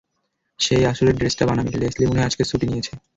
সেই আসলে ড্রেসটা বানাবে, লেসলি মনেহয় আজকে ছুটি নিয়েছে।